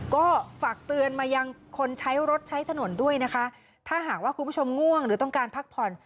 ก็ฝากเตือนมายังคนใช้รถใช้ถนนด้วยนะคะถ้าหากว่าคุณผู้ชมง่วงหรือต้องการพักผ่อน